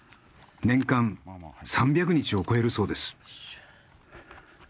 年間３００日を超えるそうです。